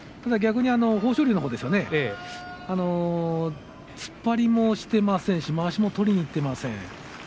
逆に豊昇龍のほうは突っ張りもしてませんしまわしも取りにいっていません。